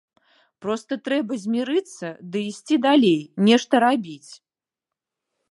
Проста трэба змірыцца ды ісці далей, нешта рабіць.